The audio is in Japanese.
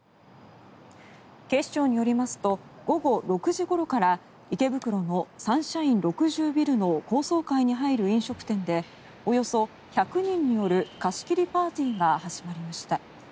警視庁によりますと午後６時ごろから池袋のサンシャイン６０ビルの高層階に入る飲食店でおよそ１００人による貸し切りパーティーが始まりました。